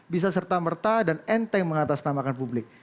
bisa serta merta dan enteng mengatasnamakan publik